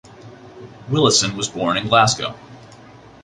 Willison was born in Glasgow.